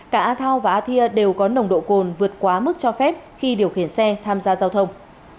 cả a thao và a thia đều có nồng độ cồn vượt quá mức cho phép khi điều khiển xe tham gia giao thông